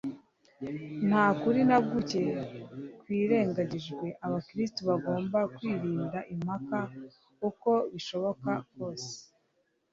Nta kuri na guke kwirengagijwe, abakristo bagomba kwirinda impaka uko bishoboka kose.